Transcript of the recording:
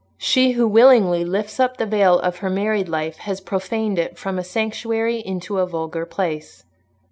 She who willingly lifts up the veil of her married life has profaned it from a sanctuary into a vulgar place.